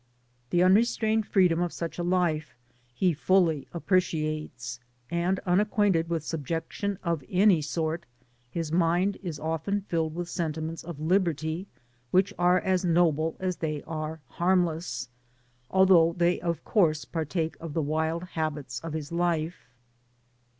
The unrestrained freedom of such a life he fully appreciates; and, unacquainted with subjec tion of any sort, his mind is often inspired with sen timents of liberty which are as noble as they are harmless, although they of course partake of the wild habits of his life.